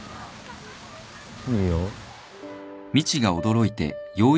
いいよ。